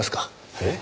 えっ！？